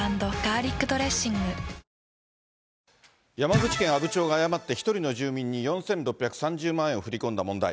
山口県阿武町が誤って１人の住民に４６３０万円を振り込んだ問題。